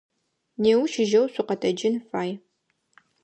Неущ жьэу шъукъэтэджын фай.